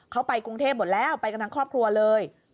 เขาไปกรุงเทพหมดแล้วไปกันทั้งครอบครัวเลย